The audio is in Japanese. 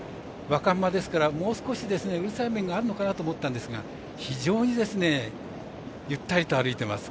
若馬ですからもう少しうるさい面があるのかなと思ったんですが非常に、ゆったりと歩いています。